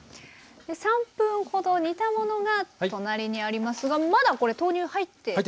で３分ほど煮たものが隣にありますがまだこれ豆乳入って？